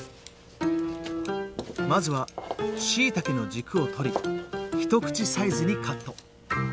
まずはしいたけの軸を取り一口サイズにカット。